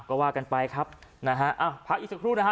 ก็ว่ากันไปครับนะฮะอ้าวพักอีกสักครู่นะฮะ